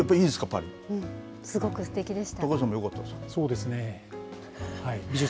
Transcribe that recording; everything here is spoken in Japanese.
すごくすてきでした。